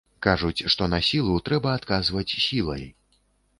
Кажуць, што на сілу трэба адказваць сілай.